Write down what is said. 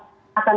kini pak hatun